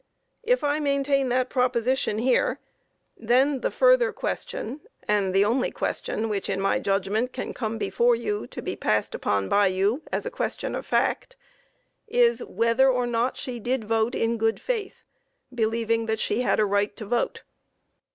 If I maintain that proposition here, then the further question and the only question which, in my judgment, can come before you to be passed upon by you as a question of fact is whether or not she did vote in good faith, believing that she had a right to vote.